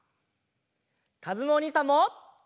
かずむおにいさんも。